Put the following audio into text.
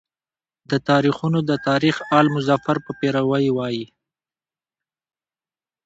دا تاریخونه د تاریخ آل مظفر په پیروی وایي.